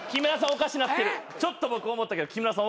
おかしなってるちょっと僕思ったけど木村さん